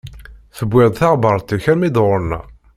Tewwiḍ-d taɣebbaṛt-ik armi d ɣur-neɣ.